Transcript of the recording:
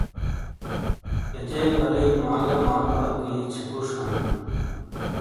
یچے بالیٔی ما گَہ مالو لا اَکی چھِپُوݜ ہَن ۔